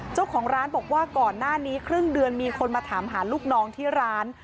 เจ้าของร้านบอกว่าก่อนหน้านี้ครึ่งเดือนมีคนมาถามหาลูกน้องที่ร้าน